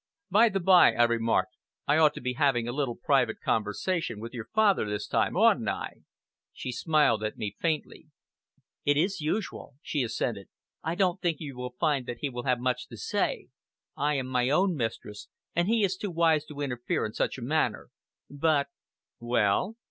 "By the bye," I remarked, "I ought to be having a little private conversation with your father this time, oughtn't I?" She smiled at me faintly. "It is usual," she assented. "I don't think you will find that he will have much to say. I am my own mistress, and he is too wise to interfere in such a matter. But " "Well?"